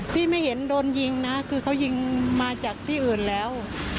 ไม่เห็นโดนยิงนะคือเขายิงมาจากที่อื่นแล้ว